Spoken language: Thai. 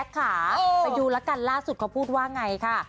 ไปดูแล้วกันล่าสุดเขาพูดว่าไงค่ะ